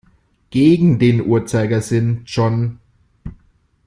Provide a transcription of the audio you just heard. Gegen den Uhrzeigersinn, John.